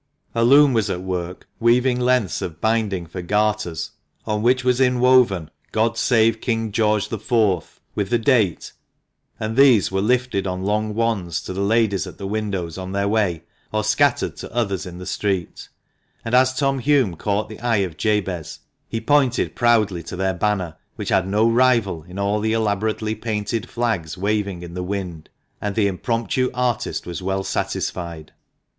A loom was at work weaving lengths of binding for garters, on which was inwoven "God save King George IV.," with the date, and these were lifted on long wands to the ladies at the windows on their way, or scattered to others in the street ; and as Tom Hulme caught the eye of Jabez, he pointed proudly to their banner, which had no rival in all the elaborately painted flags waving in the wind, and the impromptu artist was well satisfied.